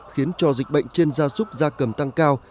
khiến cho dịch bệnh trên da súc da cầm tăng cao